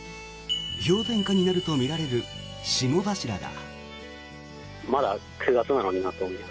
氷点下になると見られる霜柱だ。